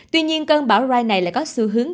tuy nhiên cân bão rai này lại có sự hướng